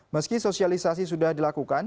meski sosialisasi sudah dilakukan